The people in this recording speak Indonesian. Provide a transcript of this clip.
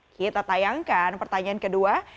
kita tayangkan pertanyaan kedua